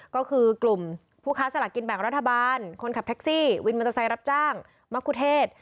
ก็คือกลุ่มผู้ค้าสลากกินแบ่งรัฐบาลคนขับแท็กซี่วินมอเตอร์ไซค์รับจ้างมะคุเทศ